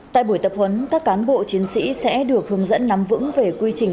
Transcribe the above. tại buổi tập huấn các cán bộ chiến sĩ sẽ được hướng dẫn nắm vững về quy trình